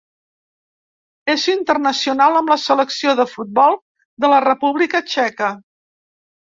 És internacional amb la selecció de futbol de la República Txeca.